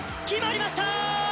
決まりました！